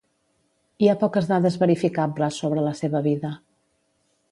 Hi ha poques dades verificables sobre la seva vida.